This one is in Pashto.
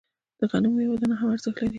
د غنمو یوه دانه هم ارزښت لري.